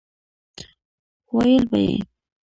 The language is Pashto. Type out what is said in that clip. ويل به يې